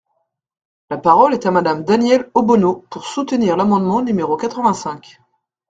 La parole est à Madame Danièle Obono, pour soutenir l’amendement numéro quatre-vingt-cinq.